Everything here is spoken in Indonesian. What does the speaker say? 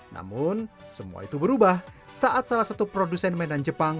namun semua itu berubah saat salah satu produsen medan jepang